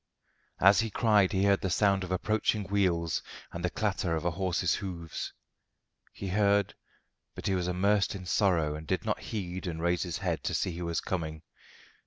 As he cried he heard the sound of approaching wheels and the clatter of a horse's hoofs. He heard, but he was immersed in sorrow and did not heed and raise his head to see who was coming.